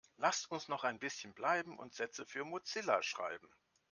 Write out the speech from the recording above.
Lasst uns noch ein bisschen bleiben und Sätze für Mozilla schreiben.